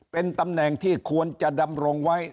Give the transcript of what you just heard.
เป็นตำแหน่งที่ควรจะดำรงไว้